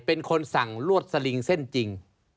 เป็นคนสั่งลวดสลิงเส้นจริง